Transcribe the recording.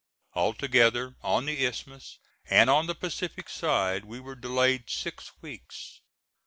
Altogether, on the Isthmus and on the Pacific side, we were delayed six weeks.